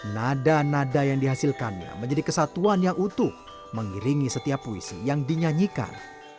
nada nada yang dihasilkannya menjadi kesatuan yang utuh mengiringi setiap puisi yang dinyanyikan